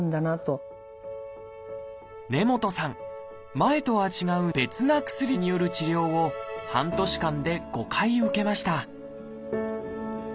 前とは違う別な薬による治療を半年間で５回受けました